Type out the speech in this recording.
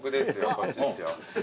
こっちですよ。